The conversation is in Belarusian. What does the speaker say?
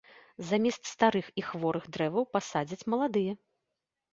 Замест старых і хворых дрэваў пасадзяць маладыя.